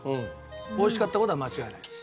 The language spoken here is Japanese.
美味しかった事は間違いないです。